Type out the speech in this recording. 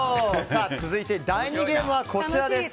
続いて、第２ゲームはこちら。